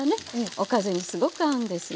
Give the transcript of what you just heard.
おかずにすごく合うんですよね。